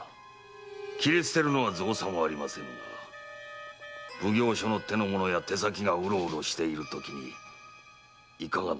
斬り捨てるのは造作もありませぬが奉行所の手の者や手先がうろうろしているときに如何なものかと。